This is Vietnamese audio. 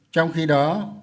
trong khi đó